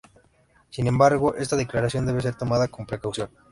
Sin embargo, esta declaración debe ser tomada con precaución.